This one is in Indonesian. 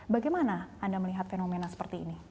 bagaimana anda melihat fenomena seperti ini